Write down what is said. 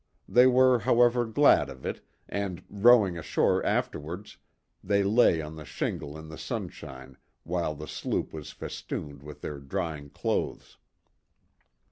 They were, however, glad of it, and, rowing ashore afterwards, they lay on the shingle in the sunshine while the sloop was festooned with their drying clothes.